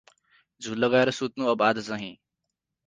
झुल लगाएर सुत्नु अब आज चाहीं ।